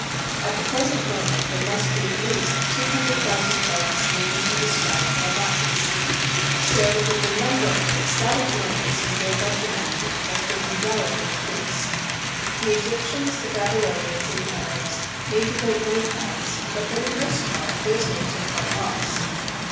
At the present moment there must be at least 200,000 plants named and described by botanists. So that the number of ecstatic moments enjoyed by humanity has been undoubtedly increased. The Egyptians, the Babylonians, and the Arabs named a great many plants, but for the most part those names are quite lost.